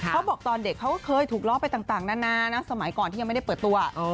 เขาบอกตอนเด็กเขาก็เคยถูกล้อไปต่างนานานะสมัยก่อนที่ยังไม่ได้เปิดตัว